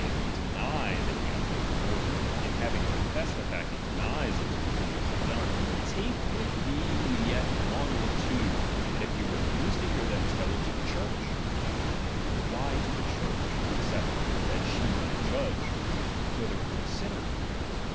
if he deny that he hath done it^^^H RELIGION. if having confessed the fact, he denies it to be un chai'.xvii. justly done), take with thee yet one or two ; and if ''' he refuse to hear them, tell it to the Church. But reuiiiUnR nins tn why to the Church, except that she might judge '' i™"™'' '' whether it were a sin or not